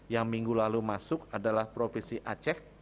yang minggu lalu masuk adalah provinsi aceh